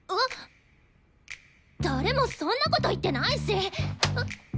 誰もそんなこと言ってないし！